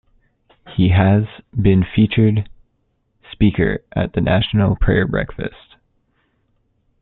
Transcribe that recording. He has been featured speaker at the National Prayer Breakfast.